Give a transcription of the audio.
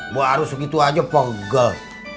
gua harus begitu aja pogel